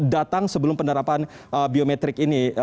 datang sebelum penerapan biometrik ini